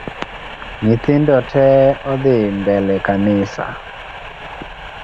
Nyithindo tee odhii mbele kanisa